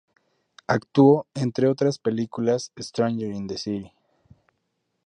Actuó, entre otras en la película "Strangers in the City".